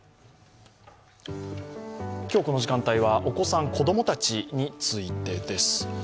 今日、この時間帯はお子さん、子供たちについてです。